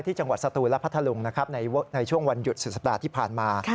จังหวัดสตูนและพัทธลุงนะครับในช่วงวันหยุดสุดสัปดาห์ที่ผ่านมา